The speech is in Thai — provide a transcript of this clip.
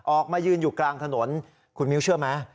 ออกมายืนอยู่กลางถนนคุณมิ้วเชื่อไหม